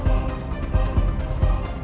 tolong anda jawab dulu